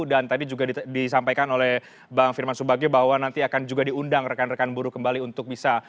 tadi juga disampaikan oleh bang firman subagio bahwa nanti akan juga diundang rekan rekan buruh kembali untuk bisa